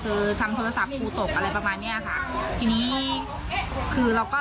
เพราะลูกตอนนั้นไม่เห็นร่องรอยดีก็ปกติ